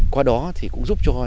qua đó thì cũng giúp cho